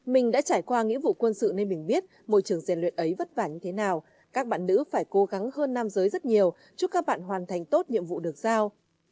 mình đã trải qua nghĩa vụ quân sự nên mình biết môi trường diện luyện ấy vất vả như thế nào các bạn nữ phải cố gắng hơn nam giới rất nhiều chúc các bạn hoàn thành tốt nhiệm vụ được giao